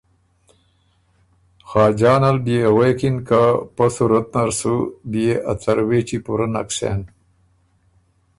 ساجان ال بئےغوېکِن که پۀ صورت نر سُو بيې ا څروېچی پُورۀ نک سېن۔